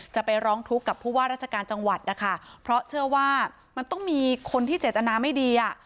จะไปร้องทุกข์กับผู้ว่าราชการจังหวัดนะคะเพราะเชื่อว่ามันต้องมีคนที่เจตนาไม่ดีอ่ะ